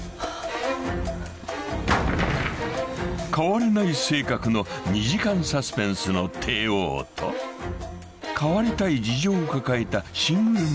［変われない性格の２時間サスペンスの帝王と変わりたい事情を抱えたシングルマザー］